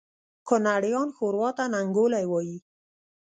کونړیان ښوروا ته ننګولی وایي